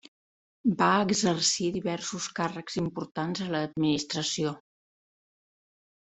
Va exercir diversos càrrecs importants a l'administració.